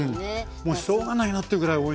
もう「しょうが」ないなってぐらいおいしいわ。